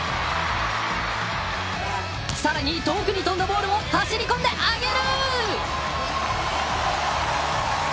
さらに遠くに飛んだボールも走り込んで上げる。